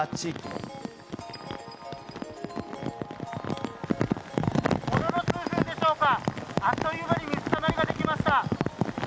ものの数分でしょうか、あっという間に水たまりが出来ました。